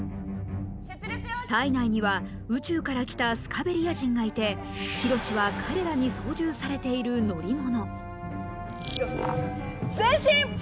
体内には宇宙から来たスカベリア人がいてヒロシは彼らに操縦されている乗り物緋炉詩前進！